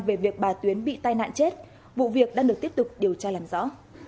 về việc bà tuyến bị tai nạn chết vụ việc đang được tiếp tục điều tra làm rõ